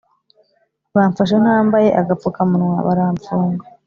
Bamfashe ntambaye agapfuka munwa baramfunga